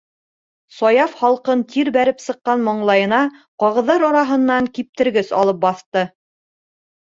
- Саяф һалҡын тир бәреп сыҡҡан маңлайына ҡағыҙҙар араһынан киптергес алып баҫты.